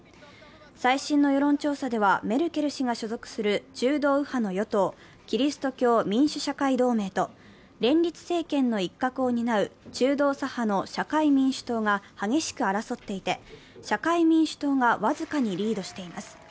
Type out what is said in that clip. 最新の世論調査では、メルケル氏が所属する中道右派の与党、キリスト教民主・社会同盟と連立政権の一角を担う中道左派の社会民主党が激しく争っていて、社会民主党が僅かにリードしています。